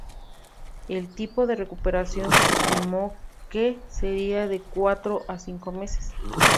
El tiempo de recuperación se estimó que sería de cuatro a cinco meses.